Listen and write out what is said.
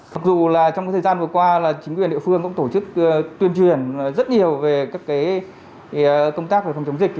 mặc dù trong thời gian vừa qua chính quyền địa phương cũng tổ chức tuyên truyền rất nhiều về công tác phòng chống dịch